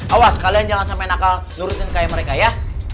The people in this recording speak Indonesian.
awas kalian jangan sampai nakal nurutin kayak mereka ya